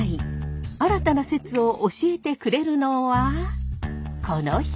新たな説を教えてくれるのはこの人！